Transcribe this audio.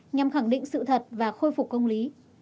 nhằm khẳng định sự thật và khôi phục công lý